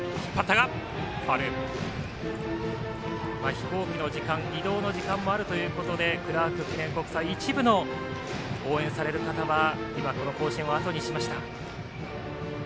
飛行機の時間移動の時間もあるということでクラーク記念国際一部の応援される方は今、この甲子園をあとにしました。